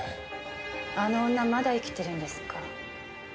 あの女まだ生きてるんですか？